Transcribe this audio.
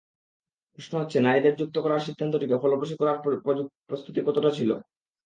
প্রশ্ন হচ্ছে নারীদের যুক্ত করার সিদ্ধান্তটিকে ফলপ্রসূ করার প্রস্তুতি কতটা ছিল।